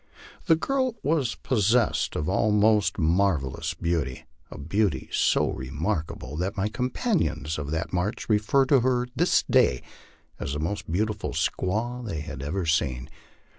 The girl was possessed of almost marvel lous beauty, a beauty so remarkable that my companions of that march refer to her to this day as the most beautiful squaw they have ever seen.